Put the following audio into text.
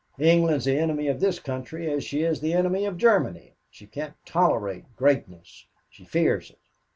England is the enemy of this country as she is the enemy of Germany. She can't tolerate greatness. She fears it.